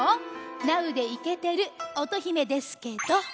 ナウでイケてる乙姫ですけど。